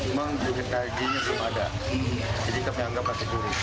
memang juga tajinya belum ada jadi kami anggap masih suri